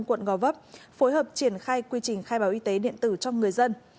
quận gò vấp phối hợp triển khai quy trình khai báo y tế điện tử cho người dân